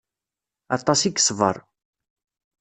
Aṭas i yeṣber.